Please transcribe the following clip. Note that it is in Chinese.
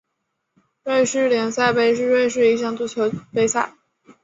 瑞士联赛杯是瑞士一项足球杯赛。